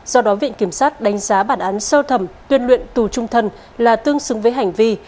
do đó viện kiểm sát đánh giá bản án sơ thẩm tuyên luyện tù trung thân là tương xứng với hành vi